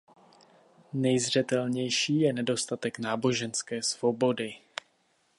Nejzřetelnější je nedostatek náboženské svobody.